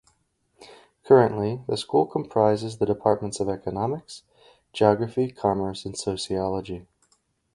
Currently, the School comprises the Departments of Economics, Geography, Commerce and Sociology.